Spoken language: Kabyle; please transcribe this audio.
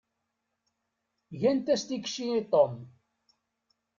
Gant-as tikci i Tom.